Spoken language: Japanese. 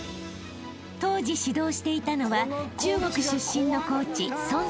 ［当時指導していたのは中国出身の］